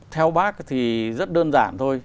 theo bác thì rất đơn giản thôi